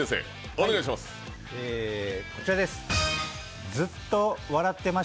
お願いします。